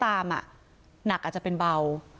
ต่างฝั่งในบอสคนขีดบิ๊กไบท์